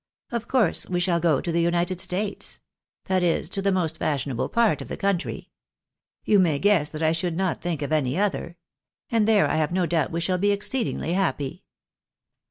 Of course we shall J2 THE BARNABYS IN AMERICA. JO to the United States — that is, to the most fashionable part of the country. Ton may guess that I should not think of any other. Ap^d there I have no doubt we shall be exceedingly happy.